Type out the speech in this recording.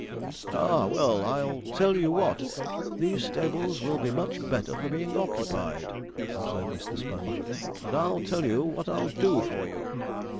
'Ah, well, I'll tell you what: these stables will be much better for being occupied,' observed Mr. Sponge. 'And I'll tell you what I'll do for you.'